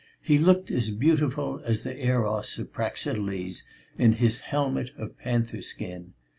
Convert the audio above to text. He looked as beautiful as the Eros of Praxiteles in his helmet of panther skin.